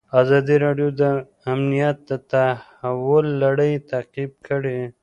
ازادي راډیو د امنیت د تحول لړۍ تعقیب کړې.